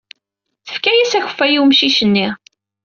Tefka-as akeffay i wemcic-nni.